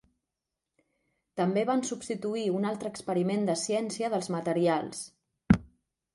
També van substituir un altre experiment de ciència dels materials.